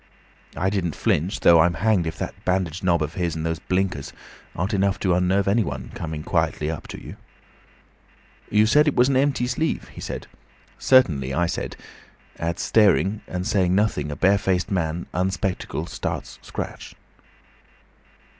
I didn't flinch, though I'm hanged if that bandaged knob of his, and those blinkers, aren't enough to unnerve any one, coming quietly up to you. "'You said it was an empty sleeve?' he said. 'Certainly,' I said. At staring and saying nothing a barefaced man, unspectacled, starts scratch.